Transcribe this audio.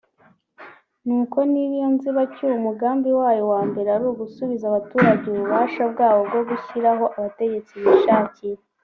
nuko niba iyo nzibacyuho umugambi wayo wa mbere ari ugusubiza abaturage ububasha bwabo bwo gushyiraho abategetsi bishakiye